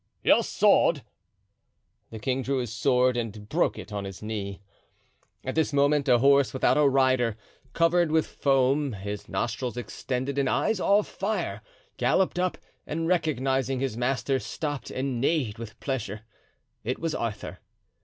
"Your sword." The king drew his sword and broke it on his knee. At this moment a horse without a rider, covered with foam, his nostrils extended and eyes all fire, galloped up, and recognizing his master, stopped and neighed with pleasure; it was Arthur.